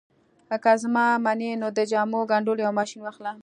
که زما منې نو د جامو ګنډلو یو ماشين واخله